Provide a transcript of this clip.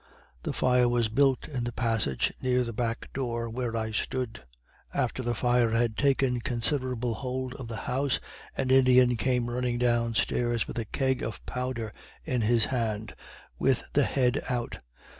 The fire was built in the passage near the backdoor where I stood. After the fire had taken considerable hold of the house, an Indian came running down stairs with a keg of powder in his hand, with the head out.